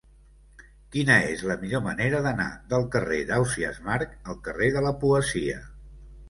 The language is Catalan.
Quina és la millor manera d'anar del carrer d'Ausiàs Marc al carrer de la Poesia?